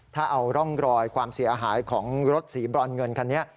ถ้าเอาร่องรอยความเสียหายของรถสีบรอนเงินคันนี้